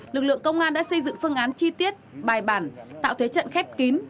lực lượng công an đã xây dựng phương án chi tiết bài bản tạo thế trận khép kín